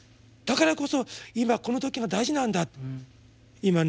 だからこそ今この時が大事なんだって。